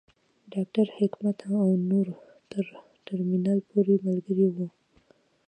ډاکټر حکمت او نور تر ترمینل پورې ملګري وو.